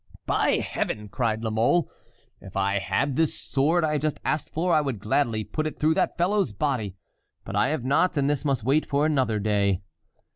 "By Heaven!" cried La Mole, "if I had this sword I have just asked for, I would gladly put it through that fellow's body. But I have not, and this must wait for another day."